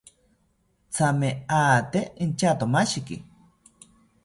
Thame ate inchatomashiki